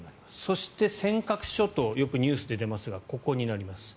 そして、尖閣諸島よくニュースで出ますがここになります。